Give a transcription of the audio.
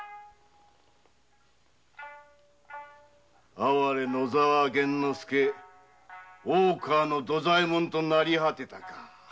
哀れ野沢源之助大川の土左衛門となり果てたか。